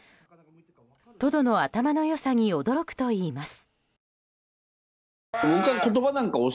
トドの頭の良さに驚くといいます。